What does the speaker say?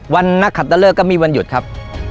วันนักขัดตะเลิกก็มีวันหยุดครับ